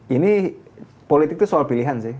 ini politik itu soal pilihan sih